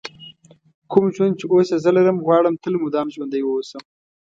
کوم ژوند چې اوس یې زه لرم غواړم تل مدام ژوندی ووسم.